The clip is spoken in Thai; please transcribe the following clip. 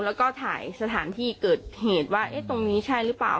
แล้วก็ถ่ายสถานที่เกิดเหตุว่าตรงนี้ใช่หรือเปล่า